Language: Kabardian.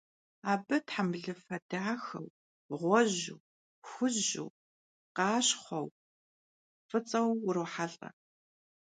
Abı thembılıfe daxeu, ğueju, xuju, khaşxhueu, f'ıts'eu vurohelh'e.